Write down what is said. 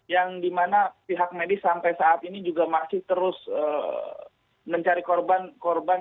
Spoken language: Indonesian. yang dimana pihak medis sampai saat ini juga masih terus mencari korban korban